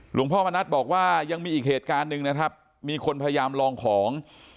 หลวงพ่อมณัฐบอกว่ายังมีอีกเหตุการณ์หนึ่งนะครับมีคนพยายามลองของ